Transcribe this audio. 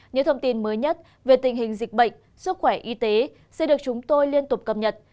những thông tin mới nhất về tình hình dịch bệnh sức khỏe y tế sẽ được chúng tôi liên tục cập nhật